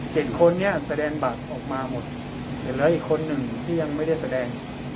เจ็ดคนนี้แสดงบัตรออกมาหมดเดี๋ยวเหลืออีกคนนึงที่ยังไม่ได้แสดง